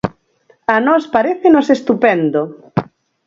A nós parécenos estupendo.